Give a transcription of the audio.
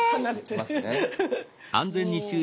いきますね。